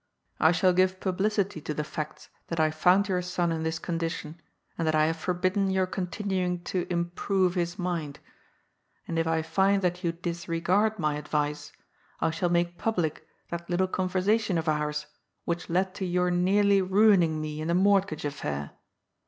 I shall give publicity to the facts that I found your son in this condition and that I have forbidden your continuing to 'improve his mind.' And if I find that you disregard my advice, I shall make public that little conversation of ours which led to your nearly ruining me in the mortgage affair.